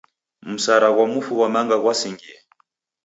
Msara ghwa mfu ghwa manga ghwasingie.